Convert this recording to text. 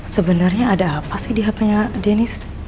sebenarnya ada apa sih di hapenya dennis